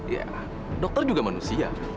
ya dokter juga manusia